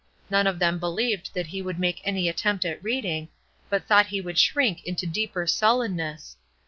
None of them believed that he would make any attempt at reading, but thought he would shrink into deeper sullenness.